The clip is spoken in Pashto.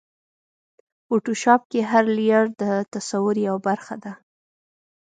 فوټوشاپ کې هر لېیر د تصور یوه برخه ده.